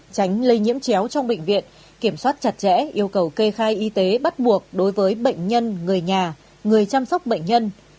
tránh lây nhiễm chéo trong bệnh viện kiểm soát chặt chẽ yêu cầu kê khai y tế bắt buộc đối với bệnh nhân người nhà người chăm sóc bệnh nhân